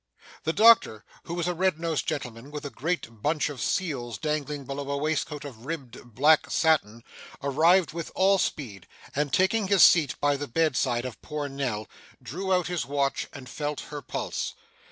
The doctor, who was a red nosed gentleman with a great bunch of seals dangling below a waistcoat of ribbed black satin, arrived with all speed, and taking his seat by the bedside of poor Nell, drew out his watch, and felt her pulse.